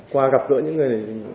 qua gặp gỡ những người